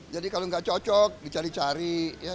jadi kalau nggak cocok dicari cari